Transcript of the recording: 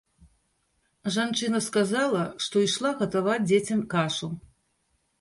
Жанчына сказала, што ішла гатаваць дзецям кашу.